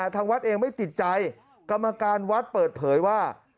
ทางวัดเองไม่ติดใจกรรมการวัดเปิดเผยว่า